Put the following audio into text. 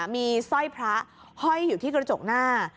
มีสร้อยพระห้อยอยู่ที่กระจกหน้า